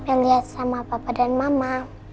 nih liat sama papa dan mama